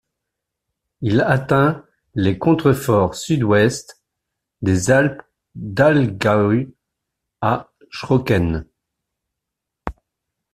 Il atteint les contreforts sud-ouest des Alpes d'Allgäu à Schröcken.